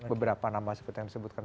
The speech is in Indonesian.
beberapa nama seperti yang disebutkan